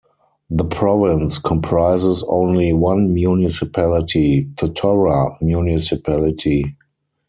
The province comprises only one municipality, Totora Municipality.